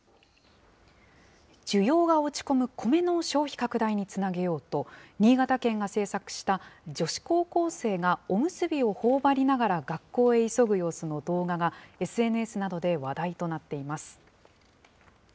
需要が落ち込むコメの消費拡大につなげようと、新潟県が制作した女子高校生がおむすびをほおばりながら学校へ急ぐ様子の動画が、ＳＮＳなどで話題となっています。